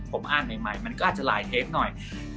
ผมอ่านใหม่มันก็อาจจะหลายเทปหน่อย